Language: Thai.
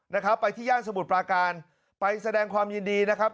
นะครับไปที่ย่านสมุทรปราการไปแสดงความยินดีนะครับ